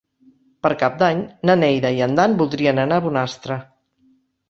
Per Cap d'Any na Neida i en Dan voldrien anar a Bonastre.